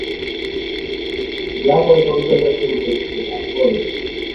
যা পরে কক্সবাজার হিসেবে পরিচিতি লাভ করে।